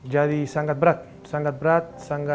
jadi sangat berat